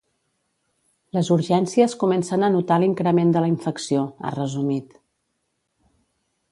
Les urgències comencen a notar l’increment de la infecció, ha resumit.